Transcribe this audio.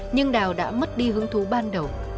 nhưng đào đã mất đi hướng thú ban đầu